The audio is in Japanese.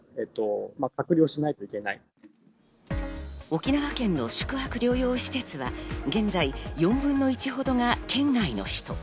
沖縄県の宿泊療養施設は現在４分の１ほどが県外の人。